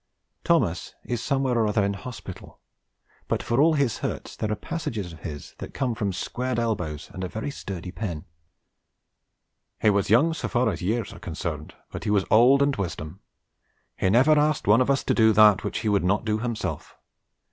Thomas is somewhere or other in hospital, but for all his hurts there are passages of his that come from squared elbows and a very sturdy pen: 'He was young so far as years were concerned, but he was old in wisdom. He never asked one of us to do that which he would not do himself.